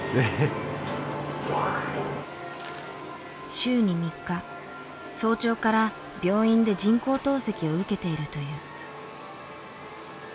週に３日早朝から病院で人工透析を受けているという。